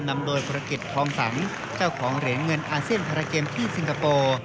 นำโดยภารกิจทองสังเจ้าของเหรียญเงินอาเซียนพาราเกมที่สิงคโปร์